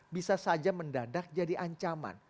bisa saja mendadak jadi ancaman